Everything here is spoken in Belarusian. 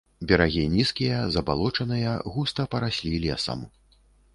Берагі нізкія, забалочаныя, густа параслі лесам.